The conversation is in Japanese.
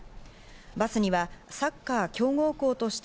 バスにはサッカー強豪校として